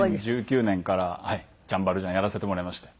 ２０１９年からジャン・バルジャンやらせてもらいまして。